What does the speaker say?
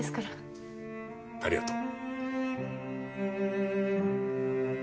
ありがとう。